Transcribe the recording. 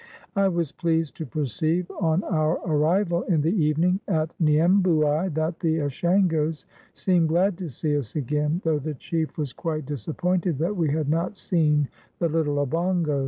I was pleased to perceive on our arrival in the evening at Niembouai that the Ashangos seemed glad to see us again, though the chief was quite disappointed that we had not seen the little Obongos.